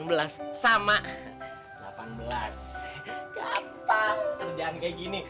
gampang kerjaan kayak gini